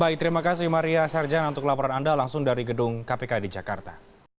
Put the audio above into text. baik terima kasih maria sarjana untuk laporan anda langsung dari gedung kpk di jakarta